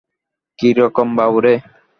কিরকম বাবু রে?